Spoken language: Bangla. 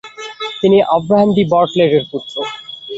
তিনি আব্রাহাম ডি বার্টলেটের পুত্র।